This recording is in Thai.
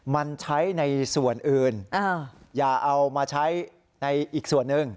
มันใช้ในส่วนอื่นอย่าเอามาใช้ในอีกส่วนหนึ่ง